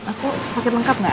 aku kacet lengkap gak